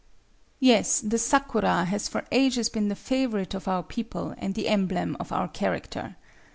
Yes, the sakura has for ages been the favorite of our people and the emblem of our character.